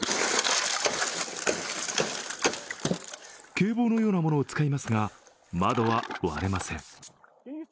警棒のようなものを使いますが、窓は割れません。